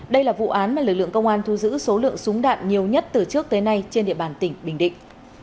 đây là vụ án mà lực lượng công an thu giữ số lượng súng đạn nhiều nhất từ trước tới nay trên địa bàn tỉnh bình định